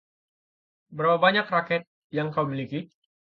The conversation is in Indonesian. Berapa banyak raket yang kau miliki?